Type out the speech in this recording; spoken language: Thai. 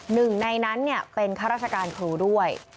หนึ่งในนั้นเป็นข้าราชการครูด้วย